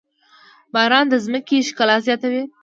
باران د ځمکې ښکلا زياتوي.